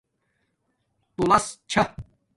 تولس چھݳ